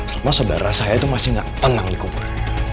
sama saudara saya itu masih gak tenang dikubur